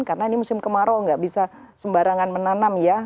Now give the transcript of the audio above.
karena ini musim kemarau nggak bisa sembarangan menanam ya